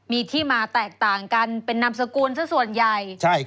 มีที่มาแตกต่างกันเป็นนามสกุลซะส่วนใหญ่